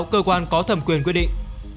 cơ quan có thẩm quyền quyết định